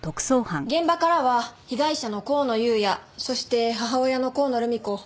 現場からは被害者の香野裕哉そして母親の香野留美子